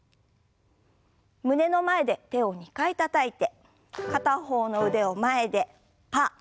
胸の前で手を２回たたいて片方の腕を前でパー。